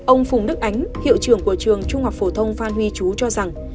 ông phùng đức ánh hiệu trưởng của trường trung học phổ thông phan huy chú cho rằng